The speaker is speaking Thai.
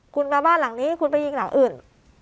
คุณมาบ้านหลังนี้คุณไปยิงหลังอื่น